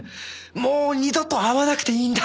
もう二度と会わなくていいんだ